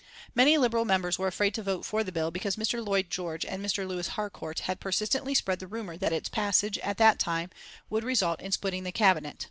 Many Liberal members were afraid to vote for the bill because Mr. Lloyd George and Mr. Lewis Harcourt had persistently spread the rumour that its passage, at that time, would result in splitting the Cabinet.